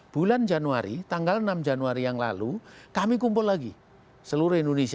bulan januari tanggal enam januari yang lalu kami kumpul lagi seluruh indonesia